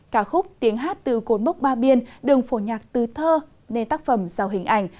cả khúc tiếng hát từ cột mốc ba biên đường phổ nhạc từ thơ nên tác phẩm giàu hình ảnh